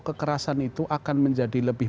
kekerasan itu akan menjadi lebih